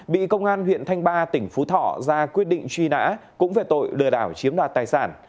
bị công an huyện thanh ba tỉnh phú thọ ra quyết định truy nã cũng về tội lừa đảo chiếm đoạt tài sản